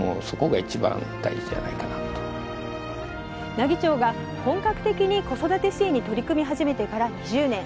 奈義町が本格的に子育て支援に取り組み始めてから１０年。